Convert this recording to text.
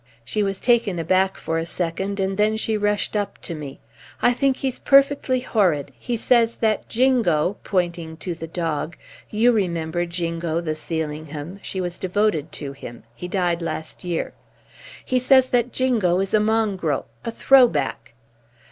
She was taken aback for a second and then she rushed up to me. 'I think he's perfectly horrid. He says that Jingo ' pointing to the dog; you remember Jingo the Sealingham she was devoted to him he died last year 'He says that Jingo is a mongrel a throw back.'